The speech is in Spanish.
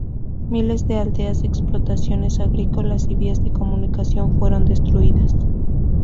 Miles de aldeas, explotaciones agrícolas y vías de comunicación fueron destruidas.